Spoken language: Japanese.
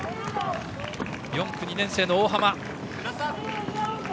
４区、２年生の大濱。